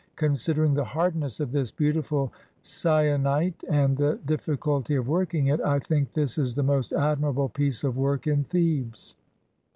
Considering the hardness of this beautiful syenite and the difficulty of working it, I think this is the most admirable piece of work in Thebes.